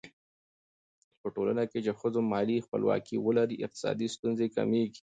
په ټولنه کې چې ښځو مالي خپلواکي ولري، اقتصادي ستونزې کمېږي.